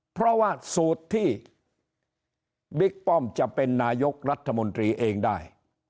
เพราะว่าสูตรที่บิ๊กป้อมจะเป็นนายกรัฐมนตรีเองได้